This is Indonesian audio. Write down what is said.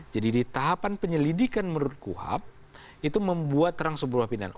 jadi di tahapan penyelidikan menurut kuhap itu membuat terang sebuah pidana